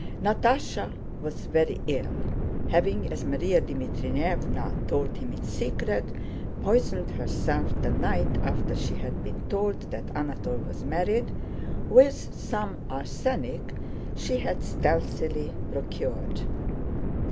Natásha was very ill, having, as Márya Dmítrievna told him in secret, poisoned herself the night after she had been told that Anatole was married, with some arsenic she had stealthily procured.